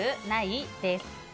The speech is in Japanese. ない？です。